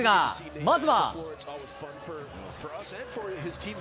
まずは。